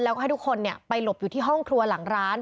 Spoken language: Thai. แล้วก็ให้ทุกคนไปหลบอยู่ที่ห้องครัวหลังร้าน